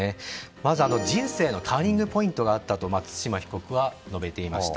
まず人生のターニングポイントがあったと対馬被告は述べていました。